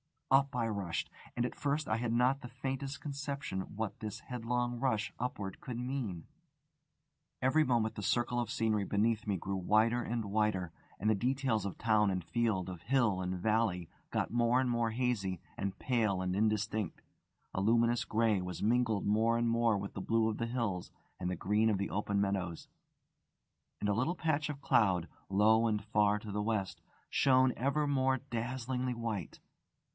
Up I rushed. And at first I had not the faintest conception what this headlong rush upward could mean. Every moment the circle of scenery beneath me grew wider and wider, and the details of town and field, of hill and valley, got more and more hazy and pale and indistinct, a luminous grey was mingled more and more with the blue of the hills and the green of the open meadows; and a little patch of cloud, low and far to the west, shone ever more dazzlingly white.